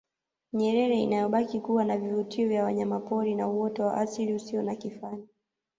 Nyerere inayobaki kuwa na vivutio vya wanyamapori na uoto wa asilia usio na kifani